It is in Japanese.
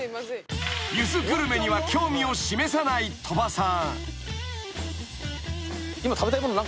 ［ゆずグルメには興味を示さない鳥羽さん］